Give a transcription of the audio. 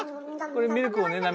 これミルクをね